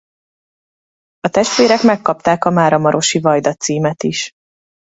A testvérek megkapták a máramarosi vajda címet is.